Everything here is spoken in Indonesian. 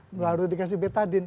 baru dikasih betadine